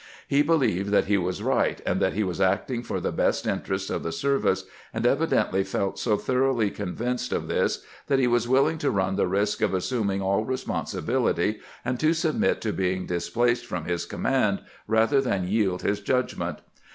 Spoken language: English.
He be lieved that he was right, and that he was acting for the best interests of the service, and evidently felt so thor oughly convinced of this that he was willing to run the risk of assuming all responsibility, and to submit to being displaced from his command, rather than yield his judgment.